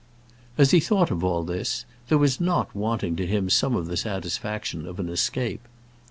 As he thought of all this, there was not wanting to him some of the satisfaction of an escape.